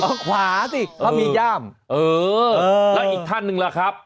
เอาขวาสิเขามีย่ามเออแล้วอีกท่านหนึ่งล่ะครับ